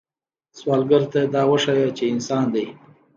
سوالګر ته دا وښایه چې انسان دی